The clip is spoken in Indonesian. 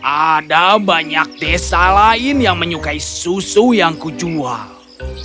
ada banyak desa lain yang menyukai susu yang kujual